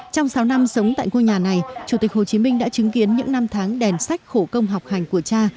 trong sáu năm sống tại ngôi nhà này chủ tịch hồ chí minh đã chứng kiến những năm tháng đèn sách khổ công học hành của cha